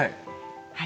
はい。